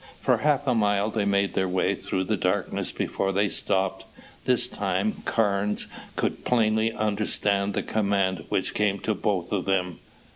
For half a mile they made their way through the darkness before they stopped. This time Carnes could plainly understand the command which came to both of them.